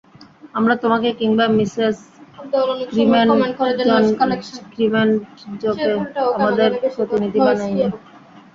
আমরা তোমাকে কিংবা মিসেস ক্রিমেন্টজকে আমাদের প্রতিনিধি বানাইনি।